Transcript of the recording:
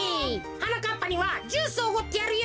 はなかっぱにはジュースをおごってやるよ。